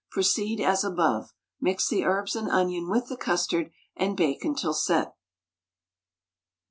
Proceed as above; mix the herbs and onion with the custard, and bake until set.